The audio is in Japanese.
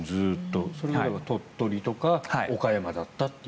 だからそれが鳥取とか岡山だったと。